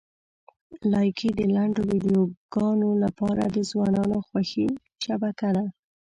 لایکي د لنډو ویډیوګانو لپاره د ځوانانو خوښې شبکه ده.